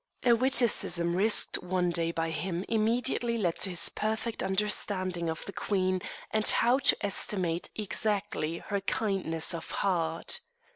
A witticism risked one day by him immediately led to his perfect understanding of the queen and how to estimate exactly her kindness of heart.